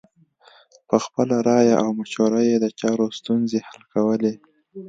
په خپله رایه او مشوره یې د چارو ستونزې حل کولې.